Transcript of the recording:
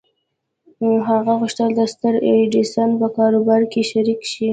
هغه غوښتل د ستر ايډېسن په کاروبار کې شريک شي.